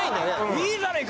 いいじゃねえか！